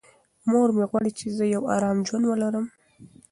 مور مې غواړي چې زه یو ارام ژوند ولرم.